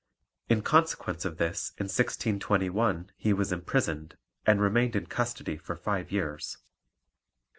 In consequence of this in 1621 he was imprisoned, and remained in custody for five years.